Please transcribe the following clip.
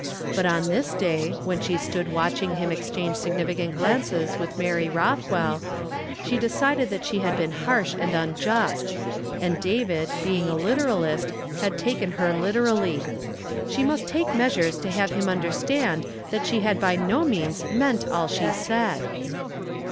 But on this day, when she stood watching him exchange significant glances with Mary Hothwell, she decided that she iiad been harsh and unjust, and David, being a literalist, had taken her literally. She must take measures to have him understand that she had by no means meant all she said.